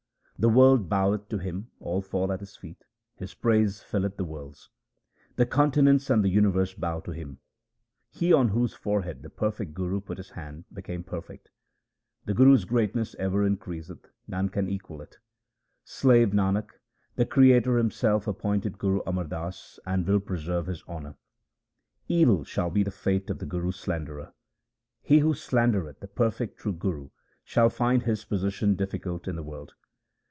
The world boweth to him ; all fall at his feet ; his praise filleth the worlds. The continents and the universe bow to him ; he on whose forehead the perfect Guru put his hand became perfect. The Guru's greatness ever increaseth ; none can equal it. Slave Nanak, the Creator Himself appointed Guru Amar Das, and will preserve his honour. Evil shall be the fate of the Guru's slanderer :— He who slandereth the perfect true Guru shall find his position difficult in the world.